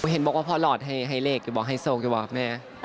เห็นบอกว่าพ่อหลอดให้เล็กให้โศกอยู่บ้างแม่